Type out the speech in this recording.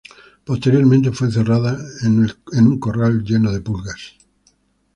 Posteriormente, fue encerrada en un corral lleno de pulgas.